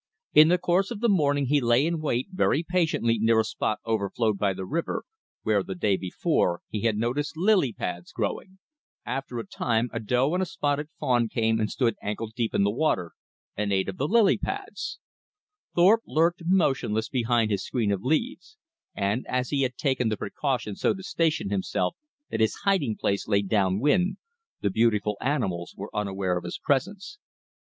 In the course of the morning he lay in wait very patiently near a spot overflowed by the river, where, the day before, he had noticed lily pads growing. After a time a doe and a spotted fawn came and stood ankle deep in the water, and ate of the lily pads. Thorpe lurked motionless behind his screen of leaves; and as he had taken the precaution so to station himself that his hiding place lay downwind, the beautiful animals were unaware of his presence.